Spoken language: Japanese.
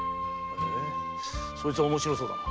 へえそいつは面白そうだな。